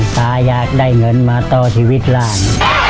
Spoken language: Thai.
ตาอยากได้เงินมาต่อชีวิตหลาน